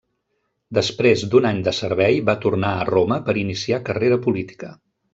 Després d'un any de servei, va tornar a Roma per iniciar carrera política.